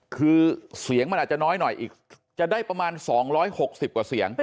คือเสียงมันอาจจะน้อยหน่อยอีกจะได้ประมาณ๒๖๐กว่าเสียง